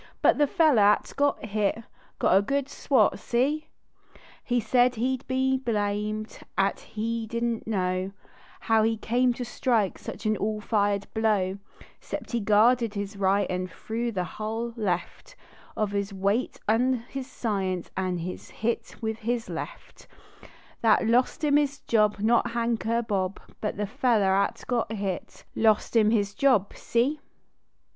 But the feller at got hit (iot a good swat. See ? He said he d be blamed, at he didn t know How he came to strike such an all fired blow, Cept he guarded his right an threw the hull heft Of his weight an his science, an hit with his left ; That lost iin his job; not Hank er Hob, But the feller at got hit I.ost him his job. See